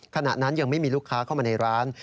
ขณะนั้นยังไม่มีลูกค้าเข้ามาในร้าน